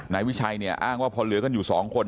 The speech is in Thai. นายวิชัยเนี่ยอ้างว่าพอเหลือกันอยู่๒คน